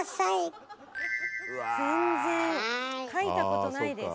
書いたことないです。